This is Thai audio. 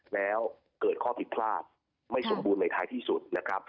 แล้วเกิดข้อผิดพลาดไม่สมบูรณ์ในท้ายที่สุดนะครับ